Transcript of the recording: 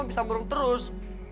mama bisa murung terus